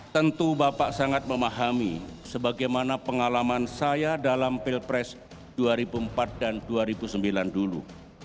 tentu bapak sangat memahami sebagaimana pengalaman saya dalam pilpres dua ribu empat dan dua ribu sembilan dulu